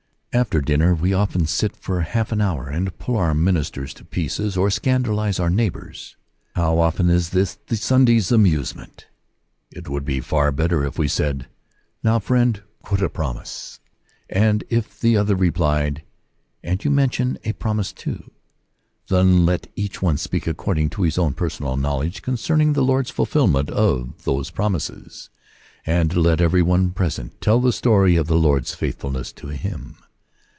After dinner we often sit for half an hour, and pull our ministers to pieces, or scandalize our neighbors. How often is this the Sunday's amusement ! It would be far better if we said, " Now, friend, quote a promise, and if the other replied, "And you mention a promise too. Then let each one speak according to his own personal knowledge concerning the Lord's fulfilment of those promises, and let every one present tell the story of the Lord*s faithfulness to him.